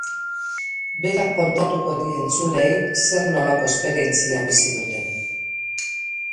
Berak kontatuko die entzuleei zer nolako esperientzia bizi duten.